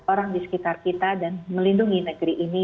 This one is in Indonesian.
orang di sekitar kita dan melindungi negeri ini